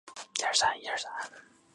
元和十四年。